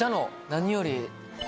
何より。